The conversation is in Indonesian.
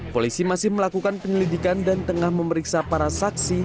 polisi masih melakukan penyelidikan dan tengah memeriksa para saksi